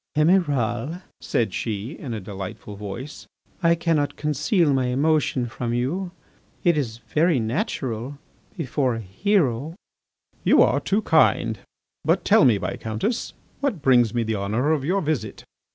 "Emiral," said she, in a delightful voice, "I cannot conceal my emotion from you. ... It is very natural ... before a hero." "You are too kind. But tell me, Viscountess, what brings me the honour of your visit."